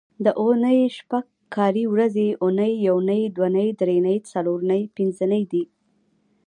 د اونۍ شپږ کاري ورځې اونۍ، یونۍ، دونۍ، درېنۍ، څلورنۍ، پینځنۍ دي